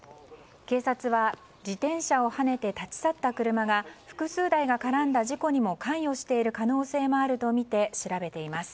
警察は自転車をはねて立ち去った車が複数台が絡んだ事故にも関与している可能性もあるとみて調べています。